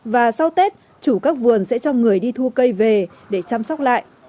và sau tết chủ các vườn sẽ cho người đi thu cây về để chăm sóc lại